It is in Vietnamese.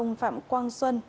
ông phạm quang xuân